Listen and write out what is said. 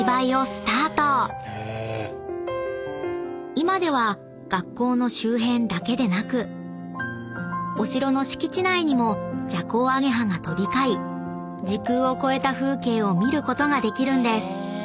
［今では学校の周辺だけでなくお城の敷地内にもジャコウアゲハが飛び交い時空を超えた風景を見ることができるんです］